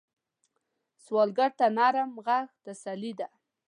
سوالګر ته نرم غږ تسلي ده